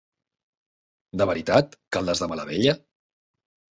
De veritat, Caldes de Malavella?